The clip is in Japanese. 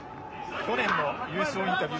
去年の優勝インタビュー。